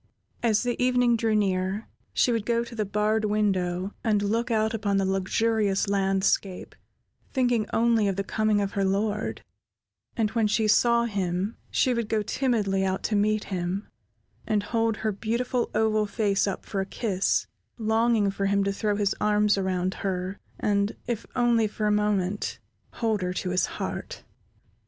As the evening drew near, she would go to the barred window and look out upon the luxurious landscape, thinking only of the coming of her lord; and when she saw him, she would go timidly out to meet him, and hold her beautiful oval face up for a kiss, longing for him to throw his arms around her, and, if only for a moment, hold her to his heart.